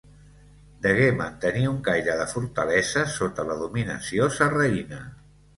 Degué mantenir un caire de fortalesa sota la dominació sarraïna.